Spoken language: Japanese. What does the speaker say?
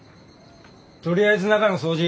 とりあえず中の掃除。